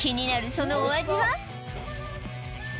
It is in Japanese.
そのお味は？